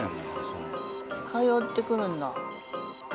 近寄ってくるんだ。